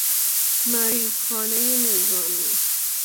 مریض خانه نظامی